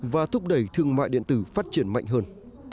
và thúc đẩy thương mại điện tử phát triển mạnh hơn